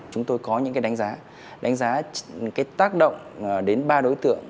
chúng tôi có những đánh giá đánh giá tác động đến ba đối tượng